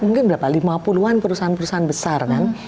mungkin berapa lima puluh an perusahaan perusahaan besar kan